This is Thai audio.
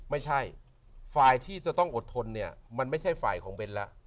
ไม่ใช่ฝ่ายที่จะต้องอดทนเนี่ยมันไม่ใช่ฝ่ายของเบ้นแล้ว